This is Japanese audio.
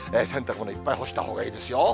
洗濯物、いっぱい干したほうがいいですよ。